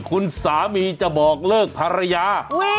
คุณสามีจะบอกเลิกภรรยา